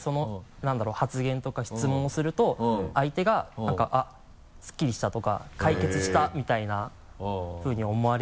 なんだろう発言とか質問をすると相手が「あっすっきりした」とか「解決した」みたいなふうに思われる。